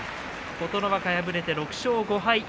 琴ノ若、敗れて６勝５敗。